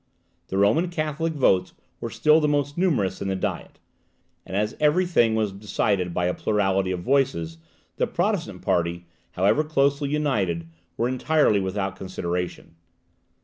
The Roman Catholic votes were still the most numerous in the Diet; and as every thing was decided by a plurality of voices, the Protestant party, however closely united, were entirely without consideration.